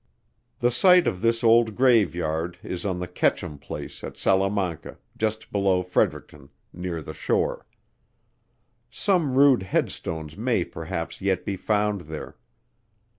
The site of this old grave yard, is on the Ketchum place at Salamanca, just below Fredericton, near the shore. Some rude headstones may perhaps yet be found there.